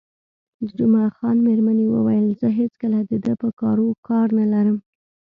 د جمعه خان میرمنې وویل: زه هېڅکله د ده په کارو کار نه لرم.